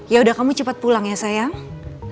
yaudah kamu cepet pulang ya sayang